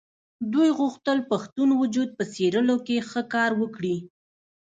دوی غوښتل پښتون وجود په څېرلو کې ښه کار وکړي.